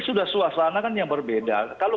sudah suasana kan yang berbeda kalau